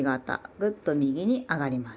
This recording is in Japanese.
グッと右に上がります。